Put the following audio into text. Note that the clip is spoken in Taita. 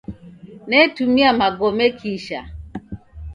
Netumia magome kisha